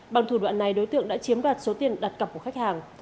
bằng thủ đoạn này đối tượng đã chiếm đoạt số tiền đặt cặp của khách hàng